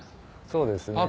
そうですね。